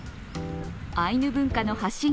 アイヌ文化の発信